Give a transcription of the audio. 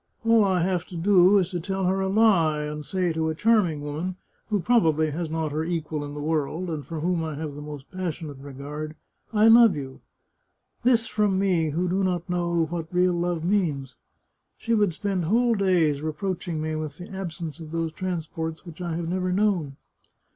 All I have to do is to tell her a lie, and say to a charming woman, who probably has not her equal in the world, and for whom I have the most passionate regard, * I love you.' This from me, who do not know what real love means ! She would spend whole days reproaching me with the absence of those transports which I have never known.